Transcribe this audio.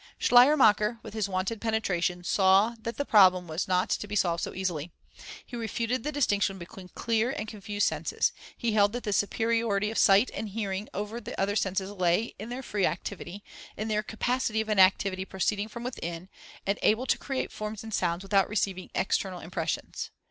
Schleiermacher, with his wonted penetration, saw that the problem was not to be solved so easily. He refuted the distinction between clear and confused senses. He held that the superiority of sight and hearing over the other senses lay in their free activity, in their capacity of an activity proceeding from within, and able to create forms and sounds without receiving external impressions.